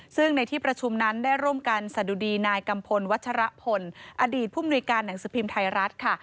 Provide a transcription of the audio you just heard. ซึ่งในที่ประชุมนั้นได้ร่วมกันสะดุดีนายกัมพลวัชรพลอดีตผู้มนุยการหนังสือพิมพ์ไทยรัฐค่ะ